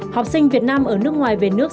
học sinh việt nam ở nước ngoài về nước